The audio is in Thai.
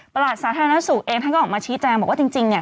หลัดสาธารณสุขเองท่านก็ออกมาชี้แจงบอกว่าจริงเนี่ย